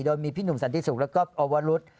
โดยมีพี่หนุ่มสันติศุกร์แล้วก็โอเวอรุท